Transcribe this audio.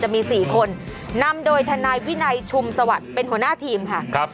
มี๔คนนำโดยทนายวินัยชุมสวัสดิ์เป็นหัวหน้าทีมค่ะ